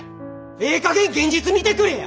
ええかげん現実見てくれや！